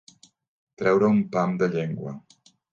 Treure un pam de llengua.